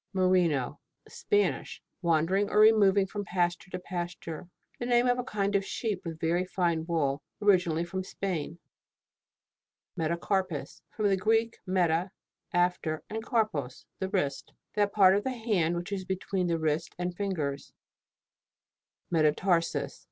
MERINO Spanish. Wandering or removing from pasture to pasture. The name of a kind of sheep with very fine wool, originally from Spain. METACARPUS. From the Greek, meta, after, and karpos, the wrist. That part of the hand which is between the wrist and fingers. METATARSUS.